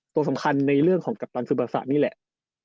ตัวสำคัญในเรื่องของกัปตันสินปราศาสตร์นี่แหละ